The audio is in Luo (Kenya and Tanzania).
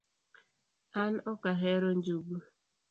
An okahero njugu